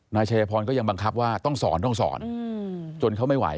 นายชัยพรก็ยังบังคับว่าต้องสอนต้องสอนจนเขาไม่ไหว